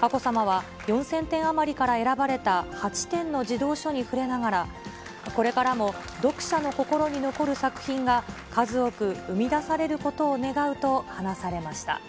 佳子さまは、４０００点余りから選ばれた８点の児童書に触れながら、これからも読者の心に残る作品が、数多く生み出されることを願うと話されました。